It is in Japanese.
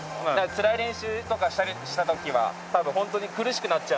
つらい練習とかした時は多分ホントに苦しくなっちゃうので。